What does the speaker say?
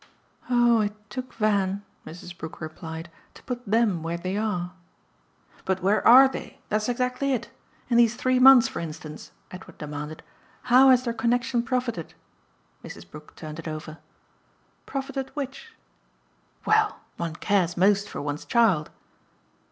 "Oh it took Van," Mrs. Brook replied, "to put THEM where they are." "But where ARE they? That's exactly it. In these three months, for instance," Edward demanded, "how has their connexion profited?" Mrs. Brook turned it over. "Profited which?" "Well, one cares most for one's child."